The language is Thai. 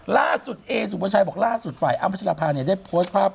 ล่าสุดเอสุภาชัยบอกล่าสุดฝ่ายอ้ำพัชรภาเนี่ยได้โพสต์ภาพ